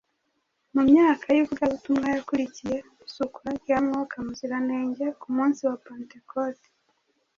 mu myaka y’ivugabutumwa yakurikiye isukwa rya mwuka Muziranenge ku munsi wa pantekote,